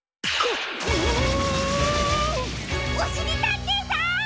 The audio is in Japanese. おしりたんていさん！？